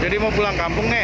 jadi mau pulang kampung nih